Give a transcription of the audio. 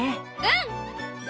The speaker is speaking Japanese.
うん！